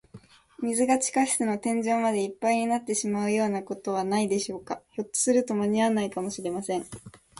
水が地下室の天井までいっぱいになってしまうようなことはないでしょうか。ひょっとすると、まにあわないかもしれません。